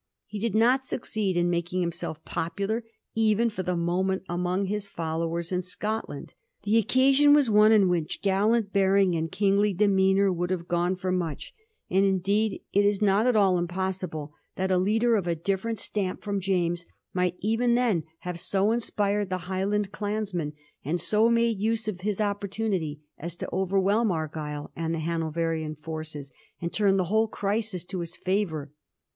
He did not succeed in making himself popular, even for the moment, among his followers in Scotland. The occasion was one in which gallant bearing and kingly demeanour would have gone for much, and indeed it Digiti zed by Google 166 A HISTORY. OF THE FOUR GEORGES, ch. m. is not at all impossible that a leader of a different stamp from James might even then have so inspired the Highland clansmen, and so made use of his opportunity, as to overwhelm Argyll and the Hano verian forces, and turn the whole crisis to his fietvour.